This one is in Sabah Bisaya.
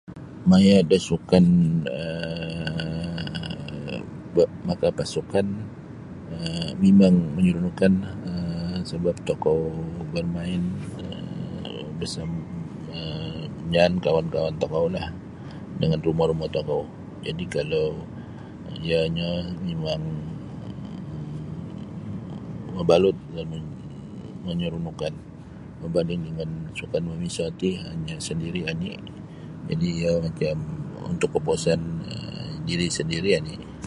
Maya da sukan um maka pasukan mimang menyerunukkan um sebab tokou bermain um besam um jangan kawan-kawan tokoulah dengan rumo-rumo tokou jadi kalau iyonyo um mimang mabalut dan menyerunukkan berbanding dengan sukan memiso ti hanya sendiri oni jadi iyo macam untuk kepuasan um diri sendiri oni.